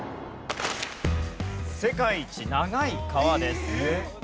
世界一長い川です。